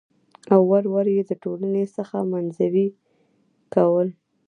او ور ور يې د ټـولنـې څـخـه منـزوي کـول .